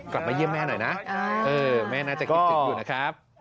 กลับมาเยี่ยมแม่หน่อยนะแม่น่าจะคิดถึงอยู่นะครับ